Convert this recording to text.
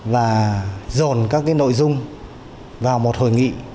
và dồn các nội dung vào một hội nghị